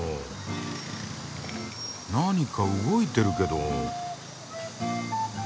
何か動いてるけど。